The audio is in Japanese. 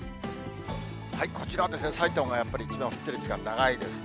こちらは、さいたまがやっぱり一番降ってる時間、長いですね。